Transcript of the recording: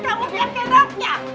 kita keluar kamu